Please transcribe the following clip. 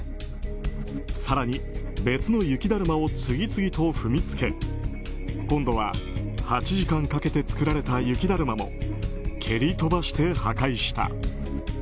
更に別の雪だるまを次々と踏みつけ今度は８時間かけて作られた雪だるまも蹴り飛ばして破壊した。